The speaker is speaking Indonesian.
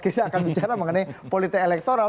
kita akan bicara mengenai politik elektoral